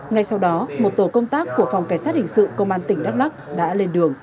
ngay sau đó một tổ công tác của phòng cảnh sát hình sự công an tỉnh đắk lắc đã lên đường